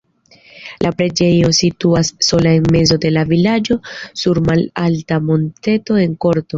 La preĝejo situas sola en mezo de la vilaĝo sur malalta monteto en korto.